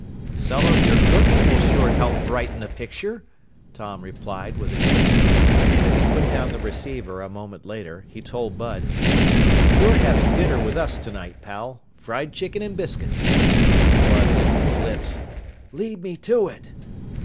"Some of your cooking will sure help brighten the picture," Tom replied with a grin. As he put down the receiver a moment later, he told Bud, "You're having dinner with us tonight, pal. Fried chicken and biscuits." Bud licked his lips. "Lead me to it!"